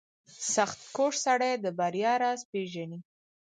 • سختکوش سړی د بریا راز پېژني.